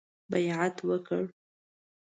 بیعت وکړ.